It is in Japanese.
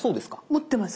持ってます。